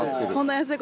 安い！